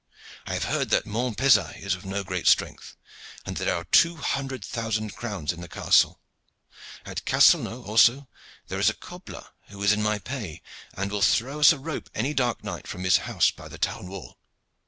I have heard that Montpezat is of no great strength, and that there are two hundred thousand crowns in the castle. At Castelnau also there is a cobbler who is in my pay, and who will throw us a rope any dark night from his house by the town wall.